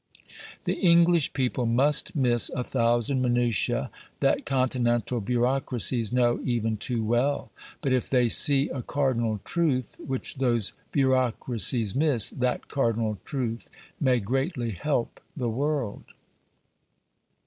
The English people must miss a thousand minutiae that continental bureaucracies know even too well; but if they see a cardinal truth which those bureaucracies miss, that cardinal truth may greatly help the world.